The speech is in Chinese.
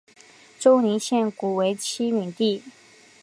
周宁县古为七闽地。